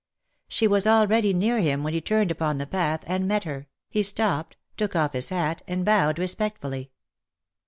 She was already near him when he turned upon the path, and met her. He stopped, took off his hat, and bowed respectfully.